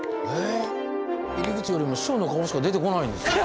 入り口よりも師匠の顔しか出てこないんですけど。